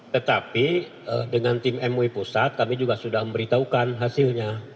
tetapi dengan tim mui pusat kami juga sudah memberitahukan hasilnya